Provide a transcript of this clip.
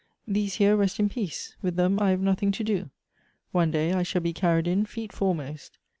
These here rest in peace : with them I have nothing to do. One day I shall be carried in feet foremost.